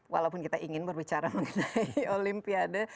walaupun kita ingin berbicara mengenai olimpiade